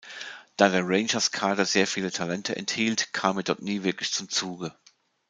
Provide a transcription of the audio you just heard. Da der Rangers-Kader sehr viele Talente enthielt, kam er dort nie wirklich zum Zuge.